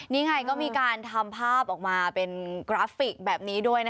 นี่ไงก็มีการทำภาพออกมาเป็นกราฟิกแบบนี้ด้วยนะคะ